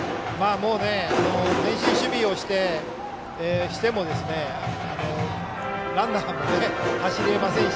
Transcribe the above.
もう前進守備をしてもランナーも走れませんし。